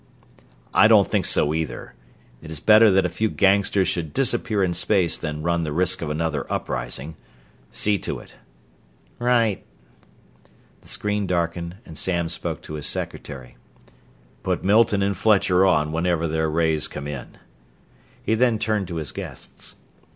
"I don't think so, either. It is better that a few gangsters should disappear in space than run the risk of another uprising. See to it." "Right." The screen darkened and Samms spoke to his secretary. "Put Milton and Fletcher on whenever their rays come in." He then turned to his guests.